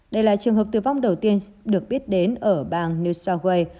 đây là trường hợp tử vong đầu tiên được biết đến ở bang new south wales